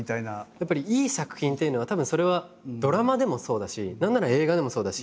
やっぱりいい作品っていうのはたぶんそれはドラマでもそうだし何なら映画でもそうだし